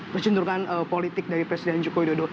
kecenderungan politik dari presiden joko widodo